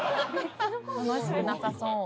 楽しくなさそう。